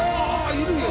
いるよ。